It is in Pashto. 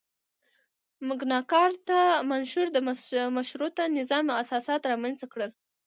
مګناکارتا منشور د مشروطه نظام اساسات رامنځته کړل.